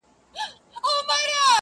• گراني رڼا مه كوه مړ به مي كړې؛